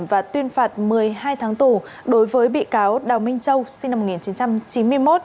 và tuyên phạt một mươi hai tháng tù đối với bị cáo đào minh châu sinh năm một nghìn chín trăm chín mươi một